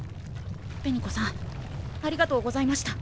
紅子さんありがとうございました。